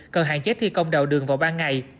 cần hạn chế thi công đào đường vào ban ngày